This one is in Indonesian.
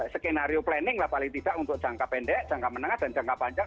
skenario planning lah paling tidak untuk jangka pendek jangka menengah dan jangka panjang